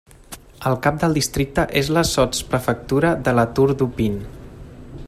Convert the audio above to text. El cap del districte és la sotsprefectura de La Tour-du-Pin.